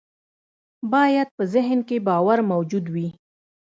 بايد په ذهن کې باور موجود وي.